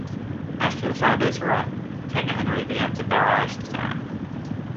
After the five days were up, King Henry began to barrage the town.